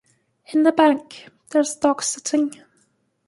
In the bank there is a dog sitting.